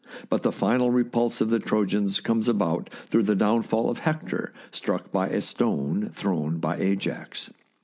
But the final repulse of the Trojans comes about through the downfall of Hector, struck by a stone thrown by Ajax.